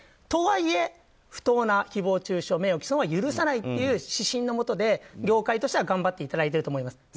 とはいえ、不当な誹謗中傷名誉毀損は許さないという指針のもとで、業界としては頑張ってもらっていると思います。